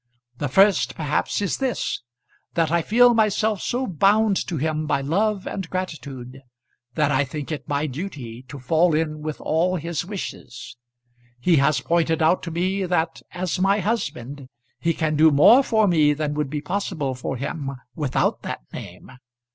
The first perhaps is this, that I feel myself so bound to him by love and gratitude, that I think it my duty to fall in with all his wishes. He has pointed out to me that as my husband he can do more for me than would be possible for him without that name.